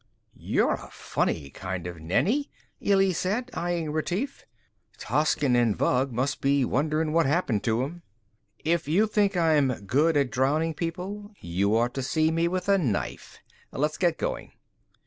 "You're a funny kind of Nenni," Illy said, eyeing Retief, "Toscin and Vug must be wonderin' what happened to 'em." "If you think I'm good at drowning people, you ought to see me with a knife. Let's get going."